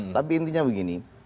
tapi intinya begini